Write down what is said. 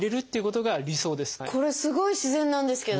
これすごい自然なんですけど。